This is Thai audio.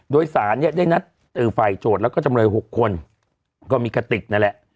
โดยสารเนี่ยได้นัดฝ่ายโจทย์แล้วก็จำเลย๖คนก็มีกระติกนั่นแหละ